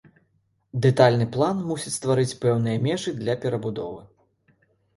Дэтальны план мусіць стварыць пэўныя межы для перабудовы.